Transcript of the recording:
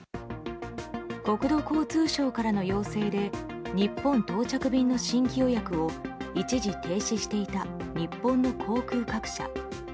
国土交通省からの要請で日本到着便の新規予約を一時停止していた日本の航空各社。